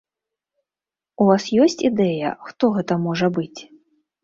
У вас ёсць ідэя, хто гэта можа быць?